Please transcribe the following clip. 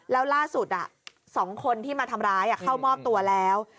แล้วล่าสุด๒คนที่มาทำร้ายเข้ามอบตัวแล้ว